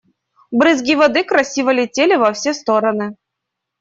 Брызги воды красиво летели во все стороны.